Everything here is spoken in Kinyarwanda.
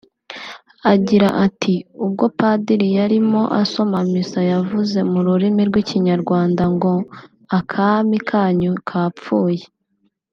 Agira ati “Ubwo Padiri yarimo asoma misa yavuze mu rurimi rw’ikinyarwanda ngo ‘Akami kanyu kapfuye